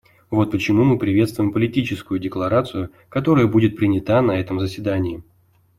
Вот почему мы приветствуем Политическую декларацию, которая будет принята на этом заседании.